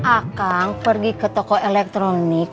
akan pergi ke toko elektronik